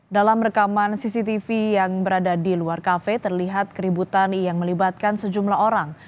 dalam rekaman cctv yang berada di luar kafe terlihat keributan yang melibatkan sejumlah orang